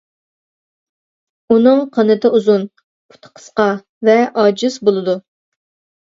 ئۇنىڭ قانىتى ئۇزۇن، پۇتى قىسقا ۋە ئاجىز بولىدۇ.